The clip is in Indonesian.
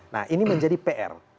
nah ini menjadi pr